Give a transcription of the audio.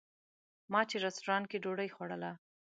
ما چې رسټورانټ کې ډوډۍ خوړله.